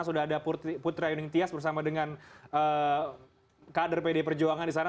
sudah ada putri ayuning tias bersama dengan kader pdi perjuangan disana